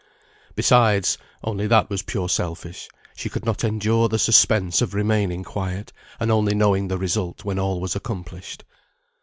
Besides (only that was purely selfish), she could not endure the suspense of remaining quiet, and only knowing the result when all was accomplished.